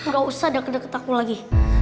gak usah deket deket aku lagi